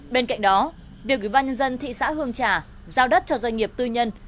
bên cạnh đó việc ủy ban nhân dân thị xã hương trà giao đất cho doanh nghiệp tư nhân